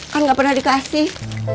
kan nggak pernah dikasih